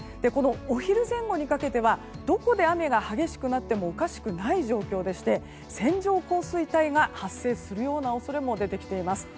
お昼前後にかけてはどこで雨が激しくなってもおかしくない状況でして線状降水帯が発生するような恐れも出てきています。